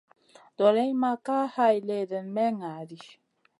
Doleyna ma ka hay léhdéna may ŋah ɗi.